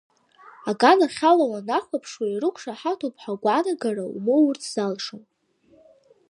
Аганахьала уанахәаԥшуа, ирықәшаҳаҭуп ҳәа агәаанагара умоурц залшом.